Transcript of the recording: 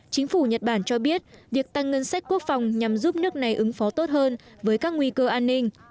chính phủ nhật bản cho biết việc tăng ngân sách quốc phòng nhằm giúp nước này ứng phó tốt hơn với các nguy cơ an ninh